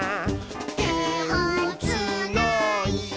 「てをつないで」